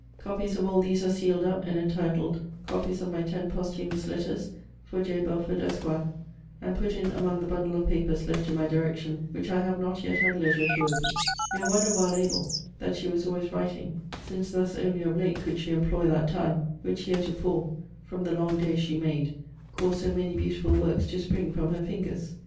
Copies of all these are sealed up, and entitled, Copies of my ten posthumous letters, for J. Belford, Esq.; and put in among the bundle of papers left to my direction, which I have not yet had leisure to open. No wonder, while able, that she was always writing, since thus only of late could she employ that time, which heretofore, from the long days she made, caused so many beautiful works to spring from her fingers.